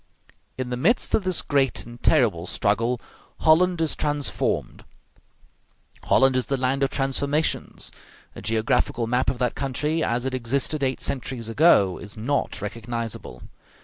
In the midst of this great and terrible struggle Holland is transformed: Holland is the land of transformations. A geographical map of that country as it existed eight centuries ago is not recognizable.